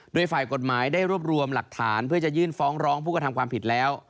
โดยฝ่ายกฎหมายได้รวบรวมหลักฐานเพื่อจะยื่นฟ้องร้องผู้กระทำความผิดแล้ว